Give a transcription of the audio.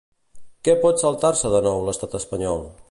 Què pot saltar-se de nou, l'estat espanyol?